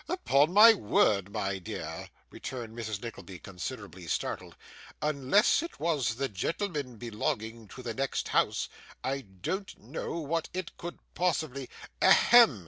'Upon my word, my dear,' returned Mrs. Nickleby, considerably startled, 'unless it was the gentleman belonging to the next house, I don't know what it could possibly ' 'A hem!